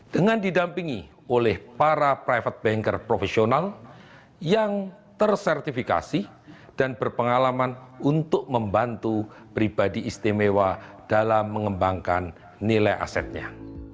dengan didampingi oleh para private banker profesional yang tersertifikasi dan berpengalaman untuk membantu pribadi istimewa dalam mengembangkan nilai asetnya